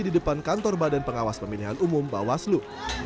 di depan kantor badan pengawas pemilihan umum bawaslu